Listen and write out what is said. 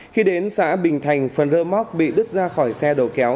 khi đến xã bình thành phần rơ móc bị đứt ra khỏi xe đầu kéo